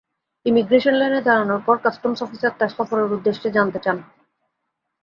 Immigration লাইনে দাঁড়ানোর পর কাস্টমস অফিসার তাঁর সফরের উদ্দেশ্য জানতে চান।